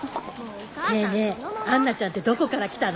ねぇねぇ杏奈ちゃんってどこから来たの？